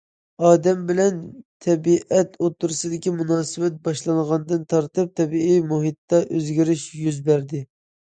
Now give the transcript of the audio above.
ئادەم بىلەن تەبىئەت ئوتتۇرىسىدىكى مۇناسىۋەت باشلانغاندىن تارتىپ تەبىئىي مۇھىتتا ئۆزگىرىش يۈز بەردى.